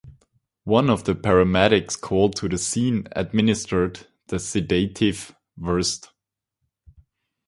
One of the paramedics called to the scene administered the sedative Versed.